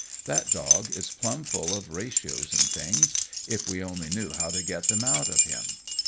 That dog is plumb full of ratios and things, if we only knew how to get them out of him.